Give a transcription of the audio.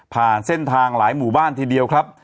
เส้นทางหลายหมู่บ้านทีเดียวครับ